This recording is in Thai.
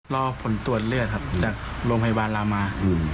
รอผลตรวจเลือดครับจากโรงพยาบาลรามา